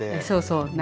そうそう。